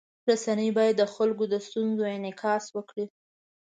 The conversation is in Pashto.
رسنۍ باید د خلکو د ستونزو انعکاس وکړي.